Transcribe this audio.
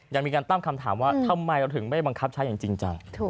ยังมีการตั้งคำถามว่าทำไมเราถึงไม่บังคับใช้อย่างจริงจัง